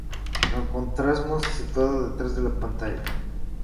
Lo encontramos situado detrás de la pantalla.